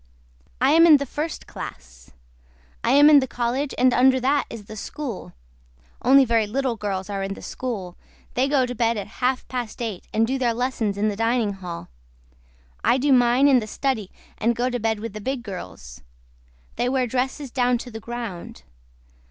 I AM IN THE FIRST CLASS. I AM IN THE COLLEGE AND UNDER THAT IS THE SCHOOL. ONLY VERY LITTLE GIRLS ARE IN THE SCHOOL THEY GO TO BED AT HALF PAST EIGHT AND DO THEIR LESSONS IN THE DINING HALL. I DO MINE IN THE STUDY AND GO TO BED WITH THE BIG GIRLS. THEY WEAR DRESSES DOWN TO THE GROUND.